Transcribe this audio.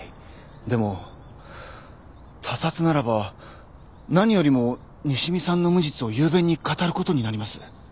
でも他殺ならば何よりも西見さんの無実を雄弁に語ることになります。